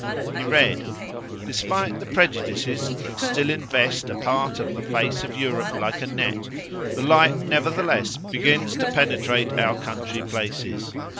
He read "'Despite the prejudices that still invest a part of the face of Europe like a net, the light nevertheless begins to penetrate our country places.